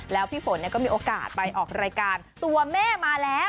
แล้วพี่ฝนก็มีโอกาสไปออกรายการตัวแม่มาแล้ว